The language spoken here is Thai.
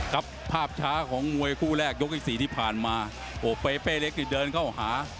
ครับภาพช้าของมวยคู่แรกยกที่สี่ที่ผ่านมาโอ้เปเป้เล็กนี่เดินเข้าหา